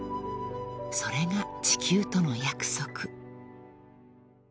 ［それが地球との約束］